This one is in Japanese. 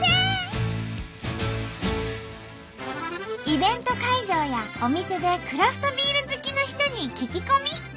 イベント会場やお店でクラフトビール好きの人に聞き込み！